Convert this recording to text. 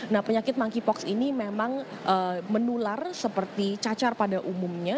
nah penyakit monkeypox ini memang menular seperti cacar pada umumnya